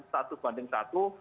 satu banding satu